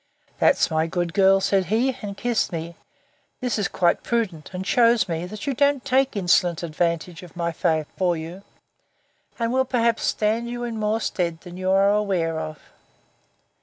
That's my good girl! said he, and kissed me: This is quite prudent, and shews me, that you don't take insolent advantage of my favour for you; and will, perhaps, stand you in more stead than you are aware of.